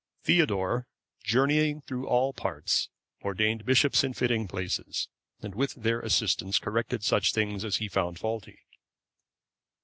(538) Theodore, journeying through all parts, ordained bishops in fitting places, and with their assistance corrected such things as he found faulty.